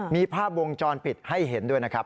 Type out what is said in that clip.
มีภาพวงจรปิดให้เห็นด้วยนะครับ